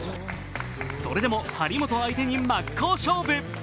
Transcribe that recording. それでも張本相手に真っ向勝負。